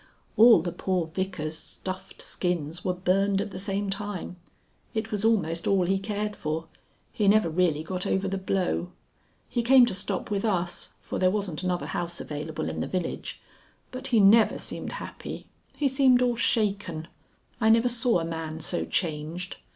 "All the poor Vicar's stuffed skins were burned at the same time. It was almost all he cared for. He never really got over the blow. He came to stop with us for there wasn't another house available in the village. But he never seemed happy. He seemed all shaken. I never saw a man so changed.